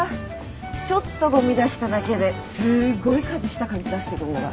ちょっとごみ出しただけですごい家事した感じ出してくんだから。